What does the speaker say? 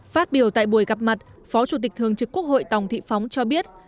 phát biểu tại buổi gặp mặt phó chủ tịch thường trực quốc hội tòng thị phóng cho biết